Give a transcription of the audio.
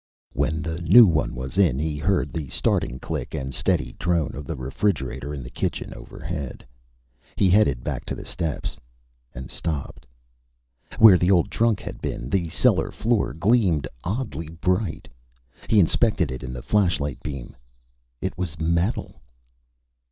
When the new one was in, he heard the starting click and steady drone of the refrigerator in the kitchen overhead. He headed back to the steps, and stopped. Where the old trunk had been, the cellar floor gleamed oddly bright. He inspected it in the flashlight beam. It was metal!